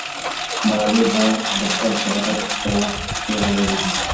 ملالۍ به د خپل شهادت په وخت پېغله وي.